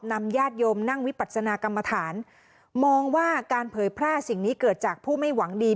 ญาติโยมนั่งวิปัสนากรรมฐานมองว่าการเผยแพร่สิ่งนี้เกิดจากผู้ไม่หวังดี